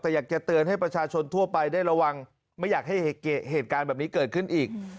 แต่อยากจะเตือนให้ประชาชนทั่วไปได้ระวังไม่อยากให้เหตุการณ์แบบนี้เกิดขึ้นอีก